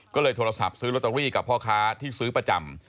ก็เลยโทรศัพท์ซื้อลอตเตอรี่กับพ่อค้าที่ซื้อประจำ